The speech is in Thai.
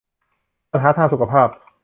ปัญหาทางสุขภาพ